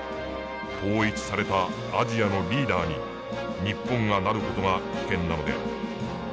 統一されたアジアのリーダーに日本がなる事が危険なのである。